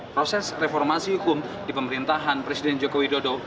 proses reformasi hukum di pemerintahan presiden joko widodo